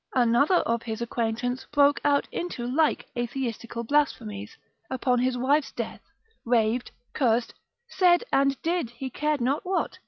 Another of his acquaintance broke out into like atheistical blasphemies, upon his wife's death raved, cursed, said and did he cared not what.